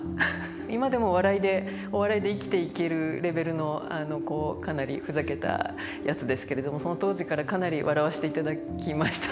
今でも笑いでお笑いで生きていけるレベルのかなりふざけたやつですけれどもその当時からかなり笑わせていただきました。